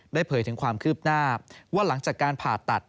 เผยถึงความคืบหน้าว่าหลังจากการผ่าตัด